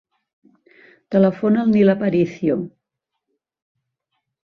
Telefona al Nil Aparicio.